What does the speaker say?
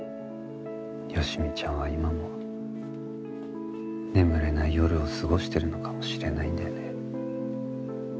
好美ちゃんは今も眠れない夜を過ごしてるのかもしれないんだよね。